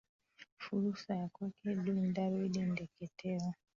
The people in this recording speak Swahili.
furusa ya kwake edwin david ndeketela